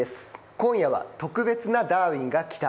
今夜は特別な「ダーウィンが来た！」。